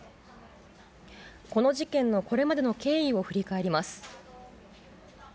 この事件のこれまでの経緯を振り返ります。